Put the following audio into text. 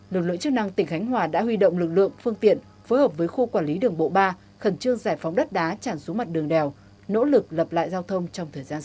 lực lượng chức năng tỉnh khánh hòa đã huy động lực lượng phương tiện phối hợp với khu quản lý đường bộ ba khẩn trương giải phóng đất đá tràn xuống mặt đường đèo nỗ lực lập lại giao thông trong thời gian sớm